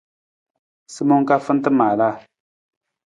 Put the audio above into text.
Simang ka fanta maalaa.